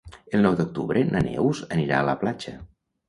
El nou d'octubre na Neus anirà a la platja.